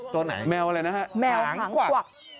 ตัวไหนแมวอะไรนะฮะแมวหางควก